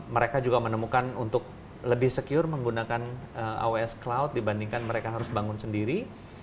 mereka juga menemukan untuk lebih secure menggunakan aws cloud dibandingkan mereka harus bangun sendiri